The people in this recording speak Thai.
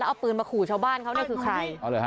เอาปืนมาขู่ชาวบ้านเขาเนี่ยคือใคร